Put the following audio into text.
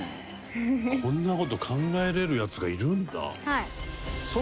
こんな事考えられるヤツがいるんだ。